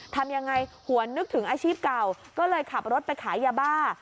ทำยังไงหวนนึกถึงอาชีพเก่าก็เลยขับรถไปขายยาบ้า